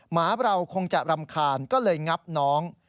หมาเราคงจะรำคาญก็เลยงับน้อง